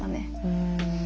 うん。